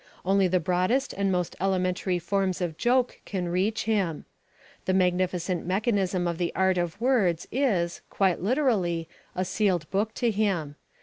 Only the broadest and most elementary forms of joke can reach him. The magnificent mechanism of the art of words is, quite literally, a sealed book to him.